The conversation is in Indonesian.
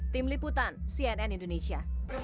tim liputan cnn indonesia